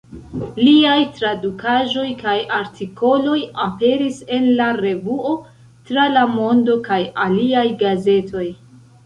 Liaj tradukaĵoj kaj artikoloj aperis en "La Revuo, Tra la Mondo" kaj aliaj gazetoj.